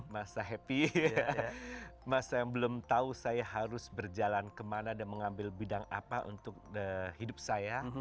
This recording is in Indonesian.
masa happy masih belum tahu saya harus berjalan ke mana dan mengambil bidang apa untuk hidup saya